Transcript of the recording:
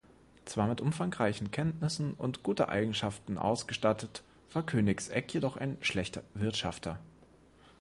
Zwar mit umfangreichen Kenntnissen und gute Eigenschaften ausgestattet, war Königsegg jedoch ein schlechter Wirtschafter.